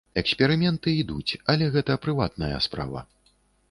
Эксперыменты ідуць, але гэта прыватная справа.